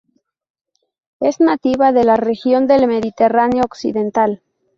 Es nativa de la región del Mediterráneo occidental.